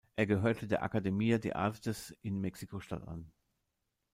Er gehörte der Academia de Artes in Mexiko-Stadt an.